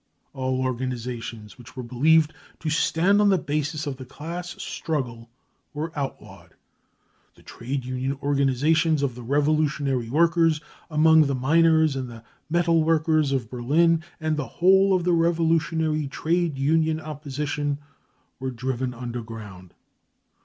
All organisations which were believed to stand on the basis of the class struggle were outlawed. The trade union organisations of the revolutionary workers among the miners and the metal workers of Berlin, and the whole of the revolutionary trade union opposition, were driven underground.